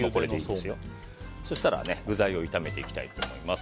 そしたら具材を炒めていきたいと思います。